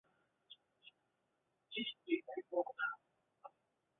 此一台湾白色恐怖著名案件的说法出自江南所着的蒋经国传。